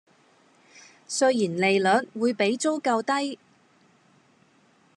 雖然利率會比租購低